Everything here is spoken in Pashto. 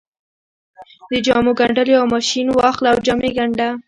د جامو ګنډلو يو ماشين واخله او جامې ګنډه.